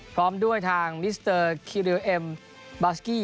พร้อมด้วยทางมิสเตอร์คิริวเอ็มบาสกี้